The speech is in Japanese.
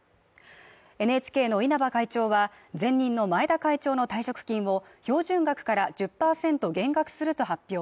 ＮＨＫの稲葉会長は前任の前田会長の退職金を標準額から１０％減額すると発表。